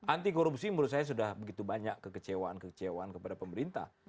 anti korupsi menurut saya sudah begitu banyak kekecewaan kekecewaan kepada pemerintah